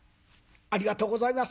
「ありがとうございます。